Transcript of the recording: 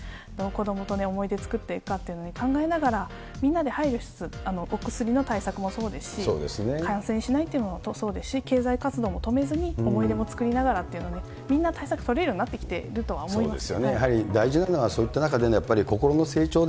子どもと思い出を作っていくかっていうことを考えながら、みんなで配慮しつつ、お薬の対策もそうですし、感染しないっていうのもそうですし、経済活動も止めずに思い出も作りながらというのを、みんな対策取れるようになってきているとは思います。